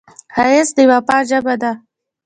ښایست د وفا ژبه ده